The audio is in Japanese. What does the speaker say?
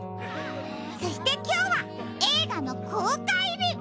そしてきょうはえいがのこうかいび！